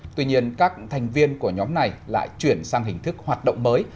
tuy nhiên các thành viên của nhóm này lại chuyển sang hình thức hoạt động mới